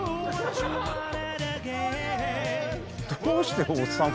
どうしておっさん